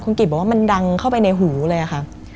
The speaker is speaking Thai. คุณกิจบอกว่ามันดังเข้าไปในหูเลยค่ะ